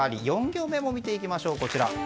４行目も見ていきましょう。